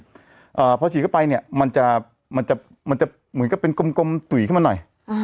อ่าพอฉีดเข้าไปเนี้ยมันจะมันจะมันจะเหมือนกับเป็นกลมกลมตุ๋ยเข้ามาหน่อยอ่า